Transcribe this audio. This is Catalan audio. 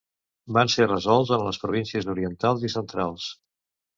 Van ser resolts en les províncies orientals i centrals.